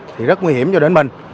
thì rất nguy hiểm cho đến mình